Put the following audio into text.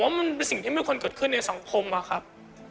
ผมว่ามันมันเป็นสิ่งที่มีคนเกิดขึ้นในสังคมครับ